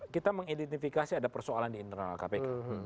kita mengidentifikasi ada persoalan di internal kpk